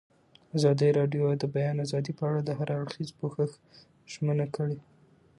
ازادي راډیو د د بیان آزادي په اړه د هر اړخیز پوښښ ژمنه کړې.